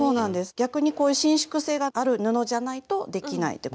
逆にこういう伸縮性がある布じゃないとできないってことですね。